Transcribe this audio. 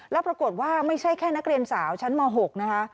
แล้วปรากฏว่าไม่ใช่แค่นักเรียนสาวชั้นม๖นะคะ